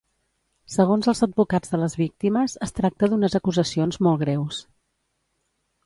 Segons els advocats de les víctimes, es tracta d'unes acusacions molt greus.